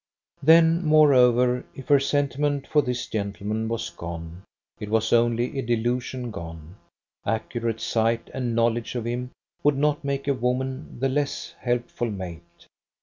Then, moreover, if her sentiment for this gentleman was gone, it was only a delusion gone; accurate sight and knowledge of him would not make a woman the less helpful mate.